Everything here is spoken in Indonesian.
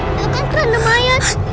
itu kan keren lemayan